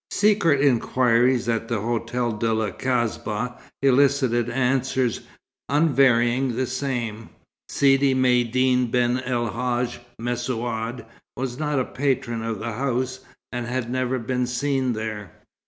Secret inquiries at the Hotel de la Kasbah elicited answers, unvaryingly the same. Sidi Maïeddine ben el Hadj Messaoud was not a patron of the house, and had never been seen there.